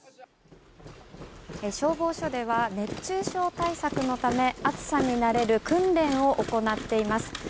消防署では熱中症対策のため暑さに慣れる訓練を行っています。